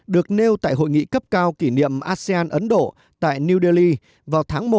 được nêu tại hội nghị cấp cao kỷ niệm asean ấn độ tại new delhi vào tháng một